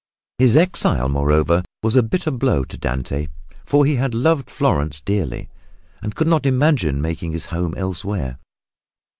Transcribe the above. His exile, moreover, was a bitter blow to Dante, for he had loved Florence dearly and could not imagine making his home elsewhere.